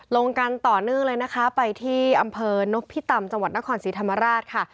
ลงกันต่อเนื่องเลยนะคะไปที่อำเภอนพิตำจังหวัดนครศรีธรรมราชค่ะ